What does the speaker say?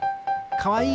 かわいい！